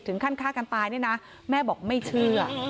ถึงขั้นฆ่ากันตายนี่นะแม่บอกไม่เชื่อ